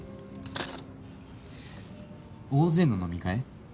大勢の飲み会